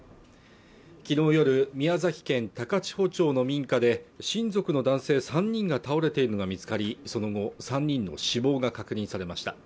昨日夜宮崎県高千穂町の民家で親族の男性３人が倒れているのが見つかりその後３人の死亡が確認されました